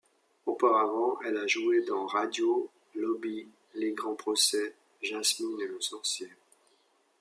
Auparavant, elle a joué dans Radio, Lobby, Les Grands procès, Jasmine et Le sorcier.